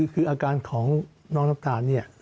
คืออาการของน้องน้ำตาล